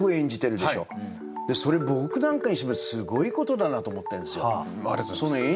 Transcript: それ僕なんかにしてみればすごいことだなと思ってるんですよ。